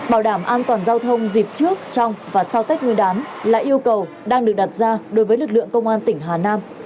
bảo đảm an toàn giao thông dịp trước trong và sau tết nguyên đán là yêu cầu đang được đặt ra đối với lực lượng công an tỉnh hà nam